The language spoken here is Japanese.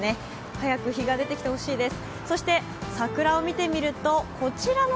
早く日が出てきてほしいです。